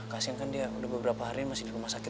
kasian kan dia udah beberapa hari masih di rumah sakit